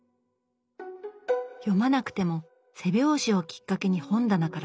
読まなくても背表紙をきっかけに本棚から刺激を受ける。